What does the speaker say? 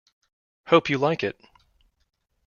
Hope you like it.